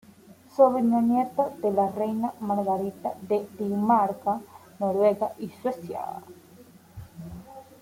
Sobrino nieto de la reina Margarita de Dinamarca, Noruega y Suecia.